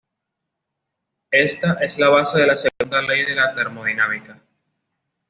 Esta es la base de la segunda ley de la termodinámica.